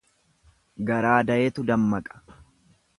Garaa dayetu dammaqa.